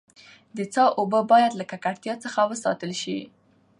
د څاه اوبه باید له ککړتیا څخه وساتل سي.